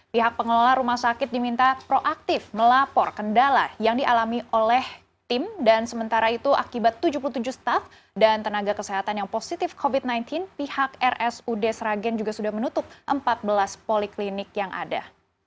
pihak pengelola rumah sakit diminta proaktif melapor kendala yang dialami oleh tim dan sementara itu akibat tujuh puluh tujuh staff dan tenaga kesehatan yang positif covid sembilan belas pihak rsud sragen juga sudah menutup empat belas poliklinik yang ada